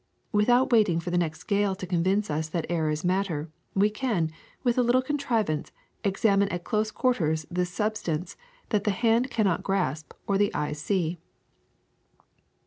Without waiting for the next gale to con vince us that air is matter, we can, with a little con trivance, examine at close quarters this substance that the hand cannot grasp or the eye see.